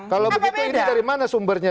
kalau begitu ini dari mana sumbernya